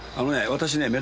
私ね